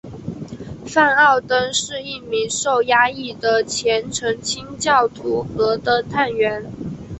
范奥登是一名受压抑的虔诚清教徒和的探员。